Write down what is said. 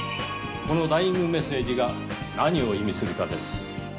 このダイイングメッセージが何を意味するかです。